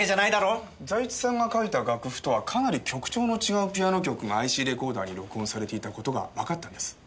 財津さんが書いた楽譜とはかなり曲調の違うピアノ曲がＩＣレコーダーに録音されていた事がわかったんです。